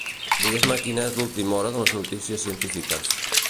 Digues-me quina és l'última hora de les notícies científiques.